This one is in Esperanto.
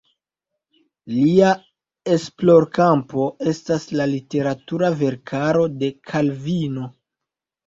Lia esplorkampo estas la literatura verkaro de Kalvino.